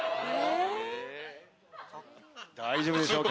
大丈夫でしょうか。